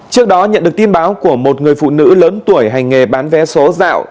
trước đó nhận được tin báo của một người phụ nữ lớn tuổi hành nghề bán vé số dạo